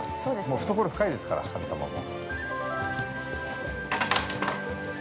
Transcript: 懐深いですから、神様も。